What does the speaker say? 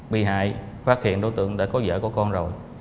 bị hại phát hiện đối tượng đã có vợ của con rồi